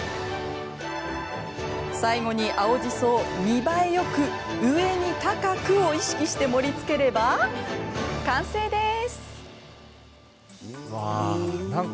最後に青じそを見栄えよく上に高くを意識して盛りつければ完成です。